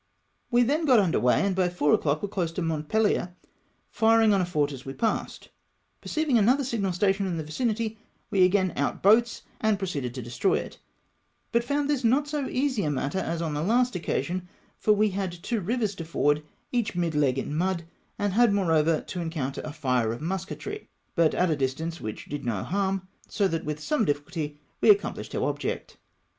We then got under weigh, and by 4 o'clock were close to Montpeher, firhig on a fort as we passed. Perceiving another signal station in the vicinity, we again out boats, and proceeded to destroy it, but found this not so easy a matter as on the last occasion, for we had two rivers to ford, each midleg in mud, and had moreover to encounter a fire of musketry, but at a distance wliich did no harm, so that with some difficulty we accomplished our object.